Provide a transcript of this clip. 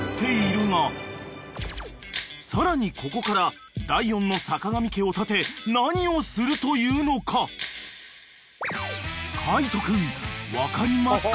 ［さらにここから第４の坂上家を建て何をするというのか］［海人君分かりますか？］